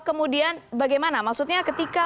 kemudian bagaimana maksudnya ketika